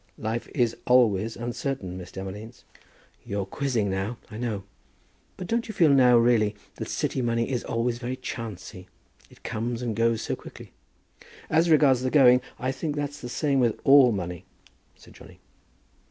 "Life is always uncertain, Miss Demolines." "You're quizzing now, I know. But don't you feel now, really, that City money is always very chancy? It comes and goes so quick." "As regards the going, I think that's the same with all money," said Johnny.